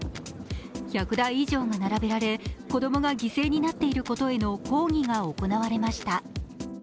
１００台以上が並べられ、子供が犠牲になっていることへの抗議が行われました。